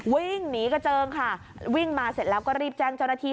วิ่งหนีกระเจิงค่ะวิ่งมาเสร็จแล้วก็รีบแจ้งเจ้าหน้าที่